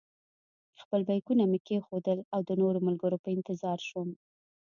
خپل بېکونه مې کېښودل او د نورو ملګرو په انتظار شوم.